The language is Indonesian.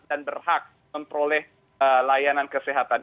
dan berhak memperoleh layanan kesehatan